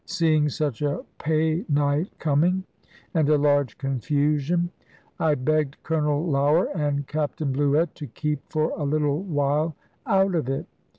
Seeing such a pay night coming, and a large confusion, I begged Colonel Lougher and Captain Bluett to keep for a little while out of it.